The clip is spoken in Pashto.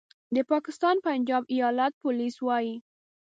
د پاکستان پنجاب ایالت پولیس وايي